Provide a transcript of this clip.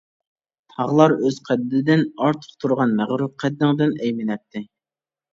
تاغلار ئۆز قەددىدىن ئارتۇق تۇرغان مەغرۇر قەددىڭدىن ئەيمىنەتتى.